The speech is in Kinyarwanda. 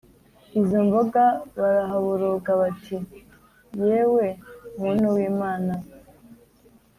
izo mboga baraboroga bati Yewe muntu w’Imana